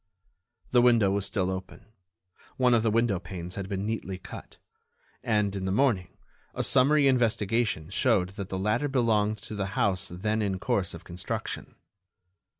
The window was still open; one of the window panes had been neatly cut; and, in the morning, a summary investigation showed that the ladder belonged to the house then in course of construction.